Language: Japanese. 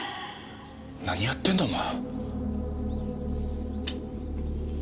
何やってるんだお前。